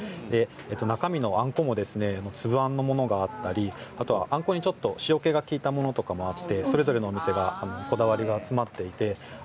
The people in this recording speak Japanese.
中身のあんこ粒あんのものがあったりあとはあんこに塩けが利いたものがあったりしてそれぞれのお店にこだわりが詰まっています。